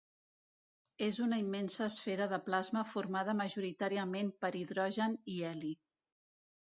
És una immensa esfera de plasma formada majoritàriament per hidrogen i heli.